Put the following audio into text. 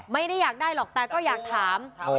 ไม่ได้อยากได้หรอกแต่ก็อยากถาม